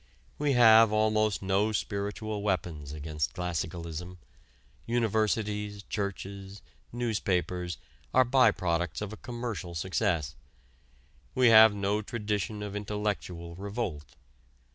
We have almost no spiritual weapons against classicalism: universities, churches, newspapers are by products of a commercial success; we have no tradition of intellectual revolt.